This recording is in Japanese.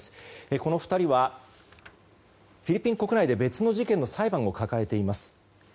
この２人は、フィリピン国内で別の事件の裁判を抱えています。